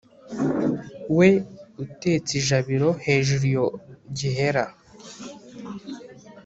we utetse ijabiro hejuru iyo gihera